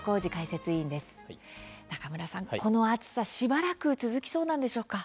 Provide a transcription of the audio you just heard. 中村さん、この暑さ、しばらく続きそうなんでしょうか？